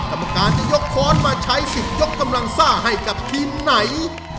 กรรมการจะยกค้อนมาใช้สิทธิ์ยกกำลังซ่าให้กับทีมไหน